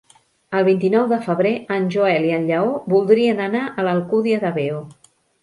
El vint-i-nou de febrer en Joel i en Lleó voldrien anar a l'Alcúdia de Veo.